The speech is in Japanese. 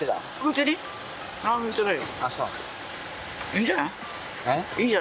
いいんじゃない？えっ？